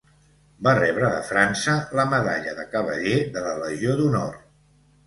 Va rebre de França la medalla de Cavaller de la Legió d'Honor.